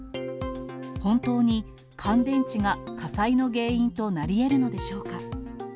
本当に乾電池が火災の原因となりえるのでしょうか。